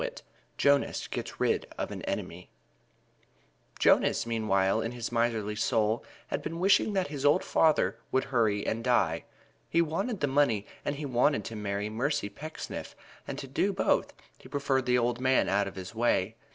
III JONAS GETS RID OF AN ENEMY Jonas, meanwhile, in his miserly soul, had been wishing that his old father would hurry and die. He wanted the money and he wanted to marry Mercy Pecksniff, and to do both he preferred the old man out of his way.